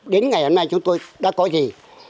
đến ngày hôm nay chúng tôi đã có gì